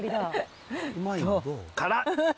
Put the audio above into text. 辛っ！